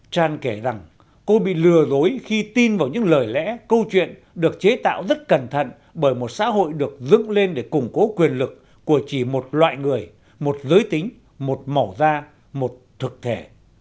tràn kể rằng cô bị lừa dối khi tin vào những lời lẽ câu chuyện được chế tạo rất cẩn thận bởi một xã hội được dựng lên để củng cố quyền lực của chỉ một loại người một giới tính một màu da một thực thể